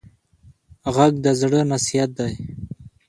غږ د زاړه نصیحت دی